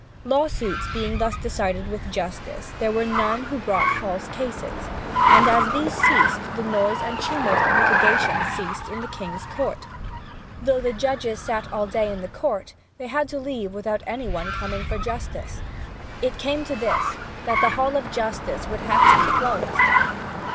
Law suits being thus decided with justice, there were none who brought false cases. And as these ceased, the noise and tumult of litigation ceased in the king's court. Though the judges sat all day in the court, they had to leave without any one coming for justice. It came to this, that the Hall of Justice would have to be closed!